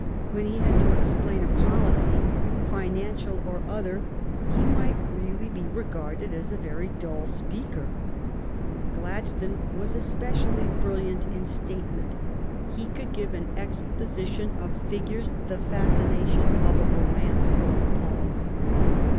When he had to explain a policy, financial or other, he might really be regarded as a very dull speaker. Gladstone was especially brilliant in statement. He could give to an exposition of figures the fascination GLADSTONE AND DISRAELI AS RIVALS 159 of a romance or a poem.